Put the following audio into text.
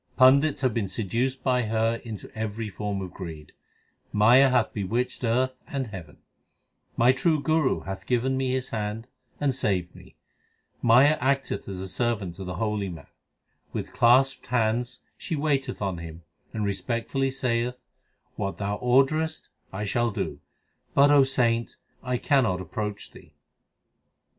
Pandits have been seduced by her into every form of greed. HYMNS OF GURU ARJAN 277 Maya hath bewitched earth and heaven. 1 My true Guru hath given me his hand and saved me. Maya acteth as a servant to the holy man. With clasped hands she waiteth on him and respectfully saith, What thou orderest I shall do ; But, O saint, I cannot approach thee.